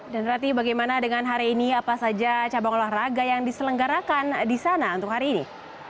dan rati bagaimana dengan hari ini apa saja cabang olahraga yang diselenggarakan di sana untuk hari ini